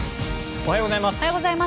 おはようございます。